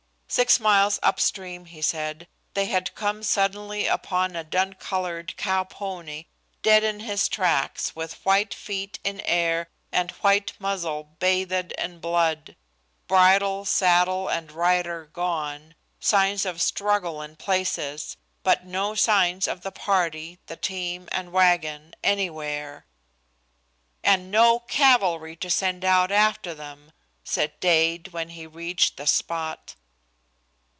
Six miles up stream, he said, they had come suddenly upon a dun colored cow pony, dead in his tracks, with white feet in air and white muzzle bathed in blood; bridle, saddle and rider gone; signs of struggle in places but no signs of the party, the team and wagon, anywhere. "And no cavalry to send out after them!" said Dade, when he reached the spot.